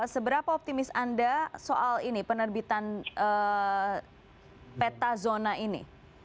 seberapa optimis anda soal ini penerbitan peta zona ini